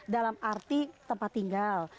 dalam arti tempat tinggal